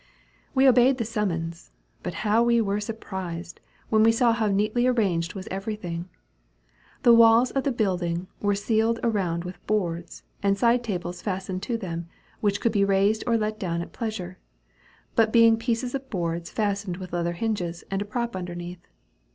We obeyed the summons; but how were we surprised, when we saw how neatly arranged was every thing. The walls of the building were ceiled around with boards, and side tables fastened to them, which could be raised or let down at pleasure, being but pieces of boards fastened with leather hinges and a prop underneath.